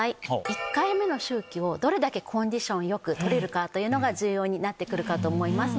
１回目の周期をどれだけコンディションよくとれるかが重要になってくるかと思います。